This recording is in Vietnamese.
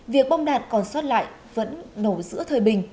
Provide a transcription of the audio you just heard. việc bom đạn còn xót lại vẫn nổ giữa thời bình